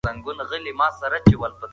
هغه د ټولني په تکامل باور درلود.